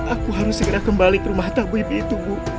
aku harus segera kembali ke rumah taguib itu bu